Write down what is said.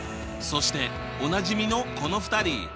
そしておなじみのこの２人！